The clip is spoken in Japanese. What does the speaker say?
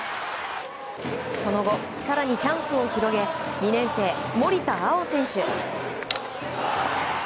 その後、更にチャンスを広げ２年生、森田蒼生選手。